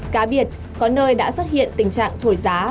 cá biệt có nơi đã xuất hiện tình trạng thổi giá